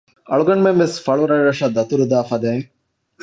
އަޅުގަނޑުމެންވެސް ފަޅުރަށްރަށަށް ދަތުރުދާ ފަދައިން